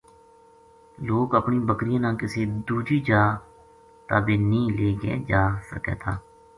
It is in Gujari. لوک اپنی بکریاں نا کسی دوجی جا تا بے نیہہ لے کے جا سکے تھا